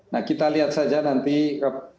nah kita lihat saja nanti